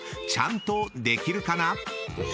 ちゃんとできるかな？］